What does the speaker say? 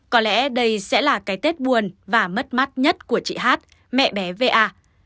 có lẽ đây sẽ là cái tết buồn và mất mắt nhất của chị hát mẹ bé v a